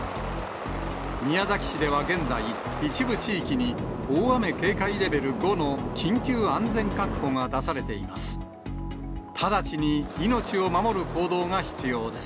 宮崎市では現在、一部地域に大雨警戒レベル５の緊急安全確保が出されています。